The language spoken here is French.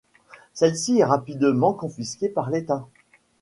Celle-ci est rapidement confisquée par l'État.